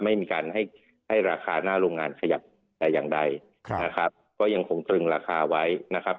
ไม่มีการให้ให้ราคาหน้าโรงงานขยับแต่อย่างใดนะครับก็ยังคงตรึงราคาไว้นะครับ